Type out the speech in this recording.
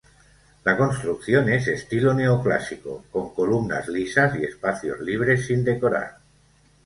La construcción es estilo neoclásico, con columnas lisas y espacios libres sin decorar.